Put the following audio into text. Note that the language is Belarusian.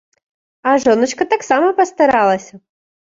А жоначка таксама пастаралася!